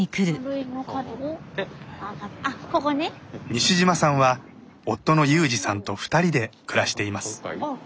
西島さんは夫の裕二さんと２人で暮らしています。